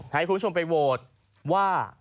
ให้คุณผู้ชมไปโหวตว่า